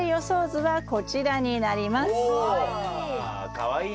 かわいい！